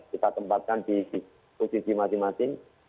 kita tempatkan di posisi masing masing